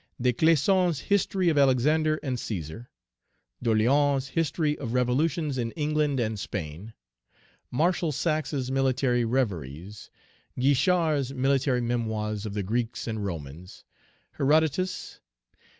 Des Claison's History of Alexander and Cæsar. D'Orleans's History of Revolutions in England and Spain. Marshal Saxe's Military Reveries. Guischard's Military Memoirs of the Greeks and Romans. Herodotus.